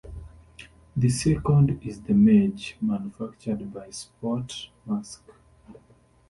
The second is the Mage, manufactured by Sportmask.